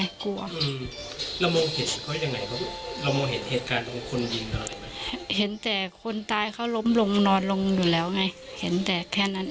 แล้วอะไรไหมเห็นแต่คนตายเขาล้มลงนอนลงอยู่แล้วไงเห็นแต่แค่นั้น